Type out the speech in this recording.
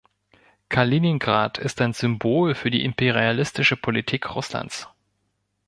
Kaliningrad ist ein Symbol für die imperialistische Politik Russlands.